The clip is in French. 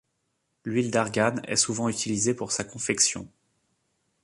L'huile d'argane est souvent utilisée pour sa confection.